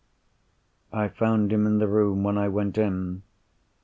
I found him in the room, when I went in.